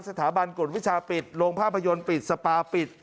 สถาบันกฎวิชาปิดโรงภาพยนตร์ปิดสปาปิด